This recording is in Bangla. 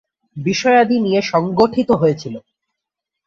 বিষয়াদি নিয়ে সংগঠিত হয়েছিল।